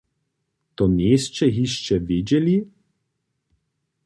To njejsće hišće wědźeli?